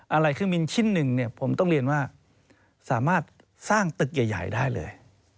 อะไรเครื่องบินชิ้นหนึ่งเนี่ยผมต้องเรียนว่าสามารถสร้างตึกใหญ่ได้เลย